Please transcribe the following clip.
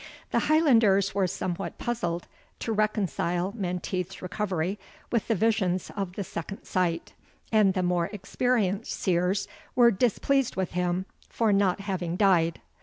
The Highlanders were somewhat puzzled to reconcile Menteith's recovery with the visions of the second sight, and the more experienced Seers were displeased with him for not having died.